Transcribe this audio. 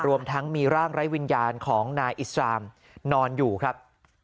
รวมทั้งมีร่างไร้วิญญาณของนายอิสรามนอนอยู่ครับ